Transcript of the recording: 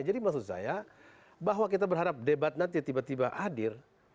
jadi maksud saya bahwa kita berharap debat nanti tiba tiba hadir